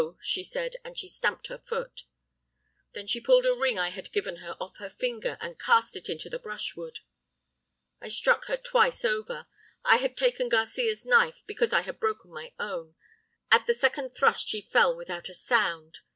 she said, and she stamped her foot. "Then she pulled a ring I had given her off her finger, and cast it into the brushwood. "I struck her twice over I had taken Garcia's knife, because I had broken my own. At the second thrust she fell without a sound.